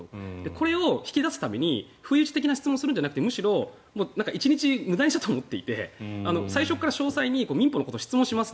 これを引き出すために不意打ちな質問をするんじゃなくてむしろ１日無駄にしたと思っていて最初から詳細に民法のことを質問します